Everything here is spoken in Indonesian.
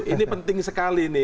ini penting sekali nih